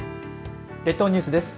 列島ニュースです。